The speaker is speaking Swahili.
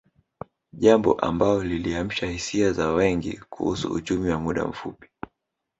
Jambo ambao liliamsha hisia za wengi kuhusu uchumi wa muda mfupi